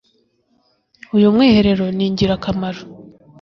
« uyu mwiherero ni ingirakamaro